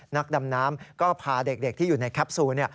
นักดำน้ำก็พาเด็กที่อยู่ในแคปซูล